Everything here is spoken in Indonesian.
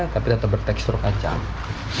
tapi tetap bertekstur kacang